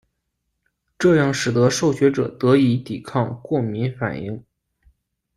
这样使得受血者得以抵抗过敏反应。